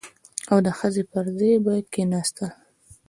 او د ښځې پر ځای به کښېناستل.